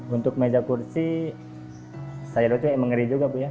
untuk meja kursi sayur itu mengeri juga bu ya